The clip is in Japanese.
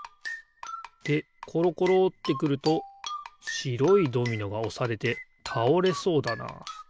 でころころってくるとしろいドミノがおされてたおれそうだなあ。